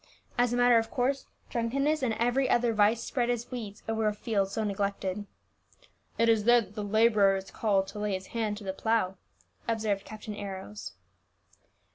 As a matter of course, drunkenness and every other vice spread as weeds over a field so neglected." "It is there that the labourer is called to lay his hand to the plough," observed Captain Arrows.